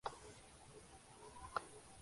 دبنگ کا تیسرا حصہ بھی سوناکشی کے قبضے میں